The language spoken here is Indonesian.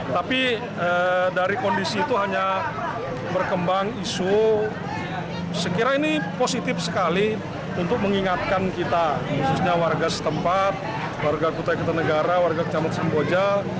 tapi dari kondisi itu hanya berkembang isu sekiranya ini positif sekali untuk mengingatkan kita khususnya warga setempat warga kutai kartanegara warga kecamatan samboja